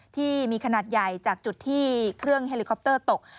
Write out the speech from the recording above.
ที่มีขนาดใหญ่จากจุดที่เครื่องเฮลิคอปเตอร์ตก